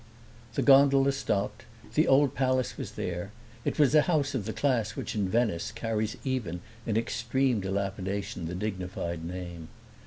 The gondola stopped, the old palace was there; it was a house of the class which in Venice carries even in extreme dilapidation the dignified name.